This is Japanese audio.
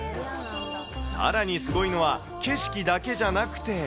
さらにすごいのは、景色だけじゃなくて。